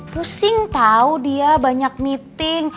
pusing tahu dia banyak meeting